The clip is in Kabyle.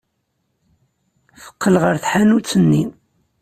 Teqqel ɣer tḥanut-nni.